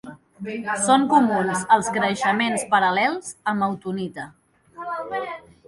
Són comuns els creixements paral·lels amb autunita.